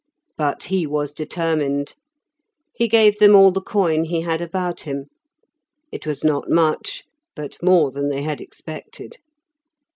But he was determined; he gave them all the coin he had about him, it was not much, but more than they had expected.